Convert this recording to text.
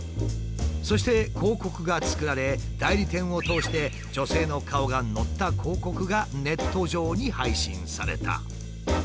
そして広告が作られ代理店を通して女性の顔が載った広告がネット上に配信された。